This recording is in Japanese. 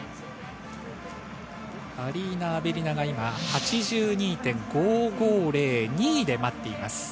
アリーナ・アベリナが、８２．５５０、２位で待っています。